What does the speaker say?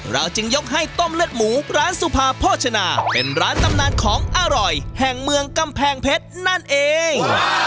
จึงยกให้ต้มเลือดหมูร้านสุภาโภชนาเป็นร้านตำนานของอร่อยแห่งเมืองกำแพงเพชรนั่นเอง